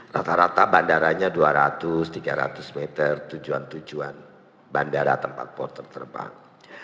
rata rata bandaranya dua ratus tiga ratus meter tujuan tujuan bandara tempat porter terbang